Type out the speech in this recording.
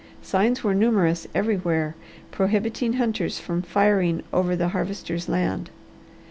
Signs were numerous everywhere prohibiting hunters from firing over the Harvester's land.